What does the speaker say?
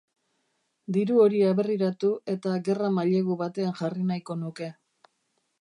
Diru hori aberriratu eta gerra-mailegu batean jarri nahiko nuke.